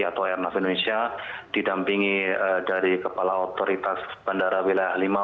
atau airnav indonesia didampingi dari kepala otoritas bandara wilayah lima